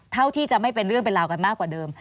เท่าที่จะไม่เป็นเรื่องเป็นราวกันมากกว่าเดิม